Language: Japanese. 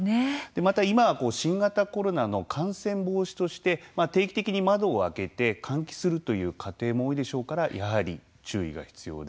また、今は新型コロナの感染防止として定期的に窓を開けて換気するという家庭も多いでしょうからやはり注意が必要です。